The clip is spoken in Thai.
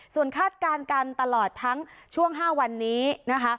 ส่วนคาดการณ์กันตลอดทั้งช่วง๕วันนี้นะคะ